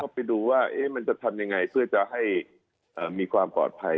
ไปดูว่ามันจะทำยังไงเพื่อจะให้มีความปลอดภัย